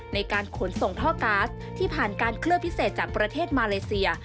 ในการขนส่งท่อก๊าซที่ผ่านการเคลือบพิเศษจากประเทศมาเลเซีย